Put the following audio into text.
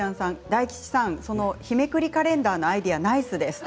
大吉さん、日めくりカレンダーのアイデア、ナイスです。